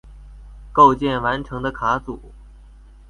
构建完成的卡组。